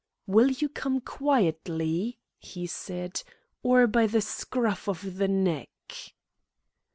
"Will you come quietly," he said, "or by the scruff of the neck?"